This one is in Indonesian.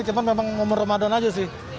cuma memang umur ramadan aja sih